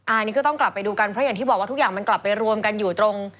อันนี้ก็ต้องกลับไปดูกันเพราะอย่างที่บอกว่าทุกอย่างมันกลับไปรวมกันอยู่ตรง